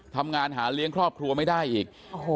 ทำงานหาเลี้ยงครอบครัวไม่ได้อีก